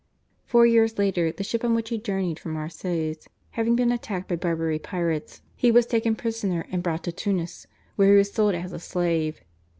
Four years later the ship on which he journeyed from Marseilles having been attacked by Barbary pirates, he was taken prisoner and brought to Tunis, where he was sold as a slave.